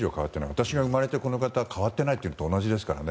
私が生まれて変わっていないのと同じですからね。